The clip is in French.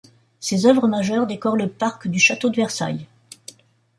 Ses œuvres majeures décorent le parc du château de Versailles.